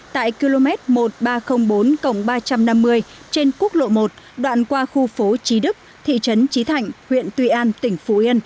tại km một nghìn ba trăm linh bốn ba trăm năm mươi trên quốc lộ một đoạn qua khu phố trí đức thị trấn trí thạnh huyện tuy an tỉnh phú yên